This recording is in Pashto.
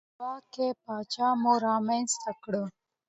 یو زورواکۍ پاچا مو رامنځته کړ.